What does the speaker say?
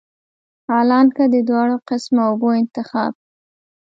حالانکه د دواړو قسمه اوبو انتخاب